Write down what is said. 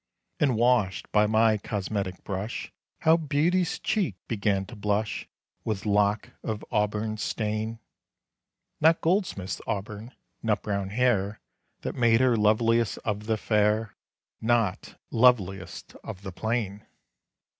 And washed by my cosmetic brush, How Beauty's cheek began to blush; With lock of auburn stain (Not Goldsmith's Auburn) nut brown hair, That made her loveliest of the fair; Not "loveliest of the plain!"